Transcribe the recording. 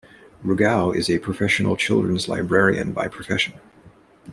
Rogow is a professional children's librarian by profession.